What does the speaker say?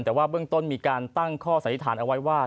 แต่ว่าเบื้องต้นมีการตั้งข้อสันนิษฐานเอาไว้ว่า